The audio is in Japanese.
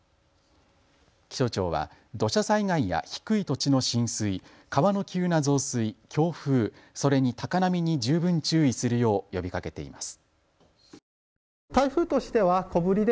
気象庁は土砂災害や低い土地の浸水、川の急な増水、強風、それに高波に十分注意するよう呼びかけています。